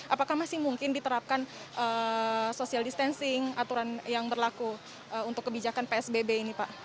apakah masih mungkin diterapkan social distancing aturan yang berlaku untuk kebijakan psbb ini pak